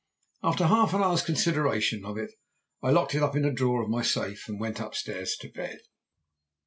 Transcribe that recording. After half an hour's consideration of it I locked it up in a drawer of my safe and went upstairs to bed.